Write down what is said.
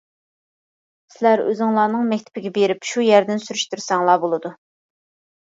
سىلەر ئۆزۈڭلارنىڭ مەكتىپىگە بېرىپ شۇ يەردىن سۈرۈشتۈرسەڭلار بولىدۇ.